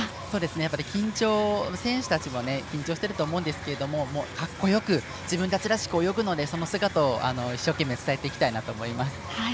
やっぱり選手たちも緊張していると思いますが格好よく自分たちらしく泳ぐのでその姿を一生懸命伝えていきたいなと思います。